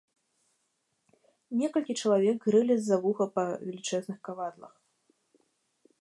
Некалькі чалавек грэлі з-за вуха па велічэзных кавадлах.